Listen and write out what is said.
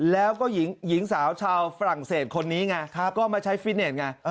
แล้วก็หญิงสาวชาวฝรั่งเศสคนนี้ไงก็มาใช้ฟิตเนสไง